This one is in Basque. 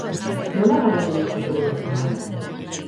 Nola garatu duzu proiektua?